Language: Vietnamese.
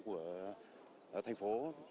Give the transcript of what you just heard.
của thành phố